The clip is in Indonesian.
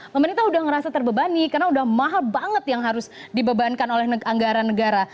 pemerintah sudah merasa terbebani karena sudah mahal banget yang harus dibebankan oleh anggaran negara